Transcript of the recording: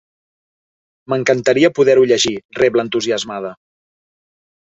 M'encantaria poder-ho llegir, rebla entusiasmada.